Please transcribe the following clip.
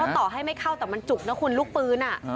ว่าต่อให้ไม่เข้าแต่มันถูกลูกปื้น